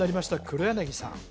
黒柳さん